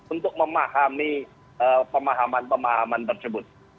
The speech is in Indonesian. untuk memahami pemahaman pemahaman tersebut